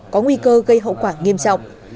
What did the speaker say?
có nguy cơ gây hậu quả nghiêm trọng